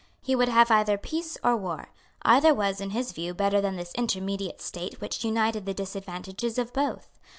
He would have either peace or war. Either was, in his view, better than this intermediate state which united the disadvantages of both.